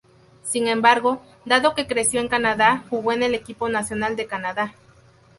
Sin embargo, dado que creció en Canadá, jugó en el equipo nacional de Canadá.